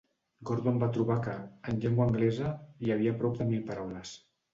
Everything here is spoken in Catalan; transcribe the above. Gordon va trobar que, en llengua anglesa, hi havia prop de mil paraules.